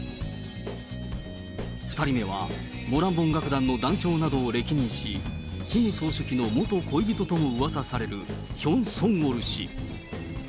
２人目はモランボン楽団の団長などを歴任し、キム総書記の元恋人ともうわさされるヒョン・ソンウォル氏。